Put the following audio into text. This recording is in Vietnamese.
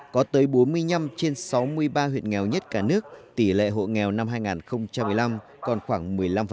có tới bốn mươi năm trên sáu mươi ba huyện nghèo nhất cả nước tỷ lệ hộ nghèo năm hai nghìn một mươi năm còn khoảng một mươi năm